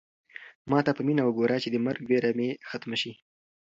ما ته په مینه وګوره چې د مرګ وېره مې ختمه شي.